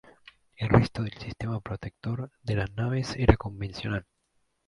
El resto del sistema protector de las naves era convencional.